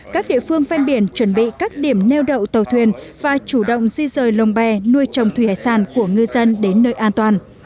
các địa phương ven biển chuẩn bị các điểm neo đậu tàu thuyền và chủ động di rời lồng bè nuôi trồng thủy hải sản của ngư dân đến nơi an toàn